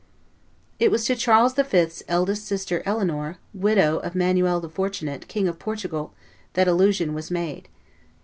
It was to Charles V.'s eldest sister, Eleanor, widow of Manuel the Fortunate, King of Portugal, that allusion was made.